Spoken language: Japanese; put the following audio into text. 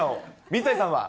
水谷さんは。